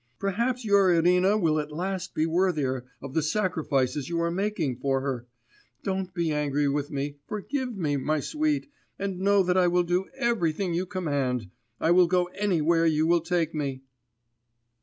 Perhaps your Irina will at last be worthier of the sacrifices you are making for her! Don't be angry with me, forgive me, my sweet, and know that I will do everything you command, I will go anywhere you will take me!